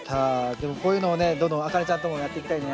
でもこういうのをねどんどんあかねちゃんともやっていきたいね。